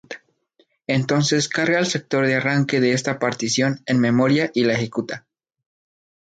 Entonces carga el sector de arranque de esta partición en memoria y la ejecuta.